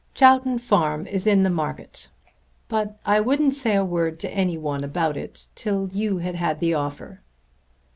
Chowton Farm is in the market! But I wouldn't say a word to any one about it till you had had the offer."